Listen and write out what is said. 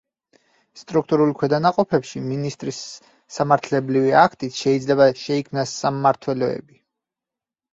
სტრუქტურულ ქვედანაყოფებში მინისტრის სამართლებრივი აქტით შეიძლება შეიქმნას სამმართველოები.